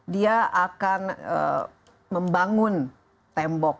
dia akan membangun tembok